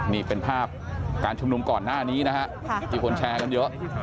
นี่เป็นภาพการชุมนุมก่อนหน้านี้นะฮะที่คนแชร์กันเยอะ